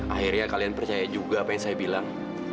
akhirnya kalian percaya juga apa yang saya bilang